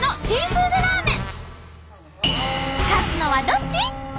勝つのはどっち！？